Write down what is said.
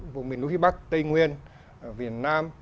vùng miền núi bắc tây nguyên việt nam